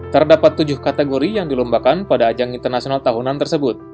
terdapat tujuh kategori yang dilombakan pada ajang internasional tahunan tersebut